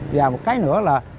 và một cái nữa là